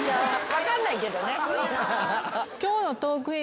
分かんないけどね。